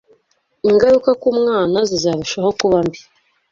ingaruka ku mwana zizarushaho kuba mbi